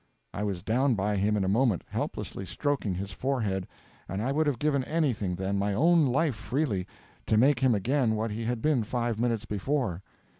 I was down by him in a moment, helplessly stroking his forehead; and I would have given anything then my own life freely to make him again what he had been five minutes before.